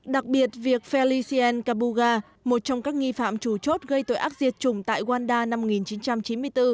đặc biệt việc felicien cabuga một trong các nghi phạm trù chốt gây tội ác diệt chủng tại wanda năm một nghìn chín trăm chín mươi bốn